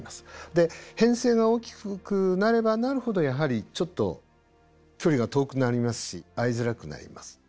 で編成が大きくなればなるほどやはりちょっと距離が遠くなりますし合いづらくなります。